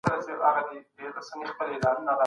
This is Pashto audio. که تمرین دوام لري نو مهارت نه کمېږي.